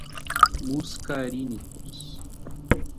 muscarínicos